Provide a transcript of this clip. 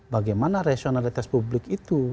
bagaimana rasionalitas publik itu